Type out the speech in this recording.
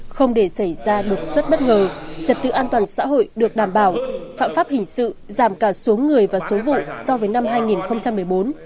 không để xảy ra đột xuất bất ngờ trật tự an toàn xã hội được đảm bảo phạm pháp hình sự giảm cả số người và số vụ so với năm hai nghìn một mươi bốn